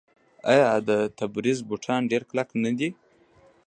آیا د تبریز بوټان ډیر کلک نه دي؟